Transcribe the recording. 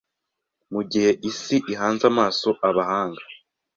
Mu gihe isi ihanze amaso abahanga